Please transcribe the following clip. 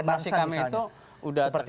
regenerasi kami itu sudah terjadi